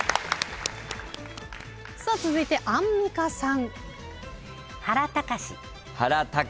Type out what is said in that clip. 続いてアンミカさん。